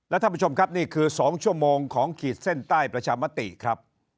ท่านผู้ชมครับนี่คือ๒ชั่วโมงของขีดเส้นใต้ประชามติครับ